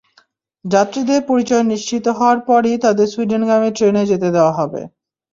যাত্রীদের পরিচয় নিশ্চিত হওয়ার পরই তাঁদের সুইডেনগামী ট্রেনে যেতে দেওয়া হবে।